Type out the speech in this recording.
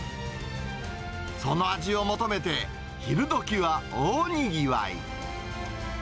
その味を求めて、昼どきは大にぎわい。